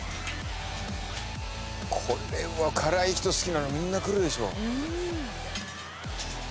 これは辛い人好きなのみんな来るでしょ。